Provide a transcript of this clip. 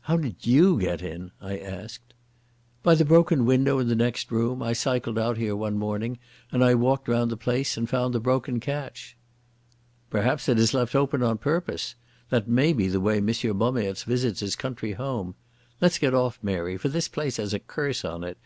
"How did you get in?" I asked. "By the broken window in the next room. I cycled out here one morning, and walked round the place and found the broken catch." "Perhaps it is left open on purpose. That may be the way M. Bommaerts visits his country home.... Let's get off, Mary, for this place has a curse on it.